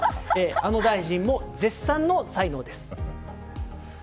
あの大臣も絶賛の才能です。